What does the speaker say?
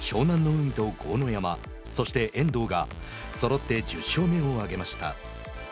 海と豪ノ山そして、遠藤がそろって１０勝目を挙げました。